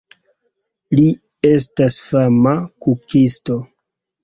Li estas fama kukisto.